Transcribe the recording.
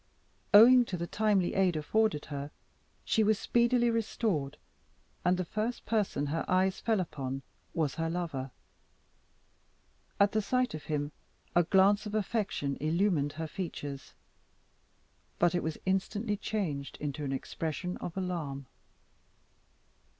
Owing to the timely aid afforded her, she was speedily restored, and the first person her eyes fell upon was her lover. At the sight of him a glance of affection illumined her features, but it was instantly changed into an expression of alarm.